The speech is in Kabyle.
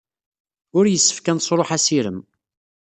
Ur yessefk ad nesṛuḥ assirem.